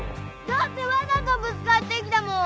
だってわざとぶつかってきたもん。